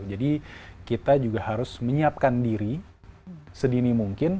jadi kita juga harus menyiapkan diri sedini mungkin